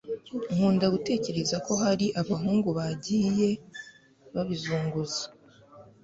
nkunda gutekereza ko hari abahungu bagiye babizunguza